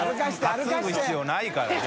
担ぐ必要ないからね。